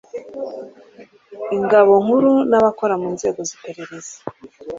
ingabo nkuru n'abakora mu nzego z'iperereza